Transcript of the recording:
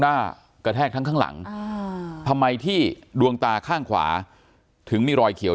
กระแทกทั้งข้างหลังทำไมที่ดวงตาข้างขวาถึงมีรอยเขียว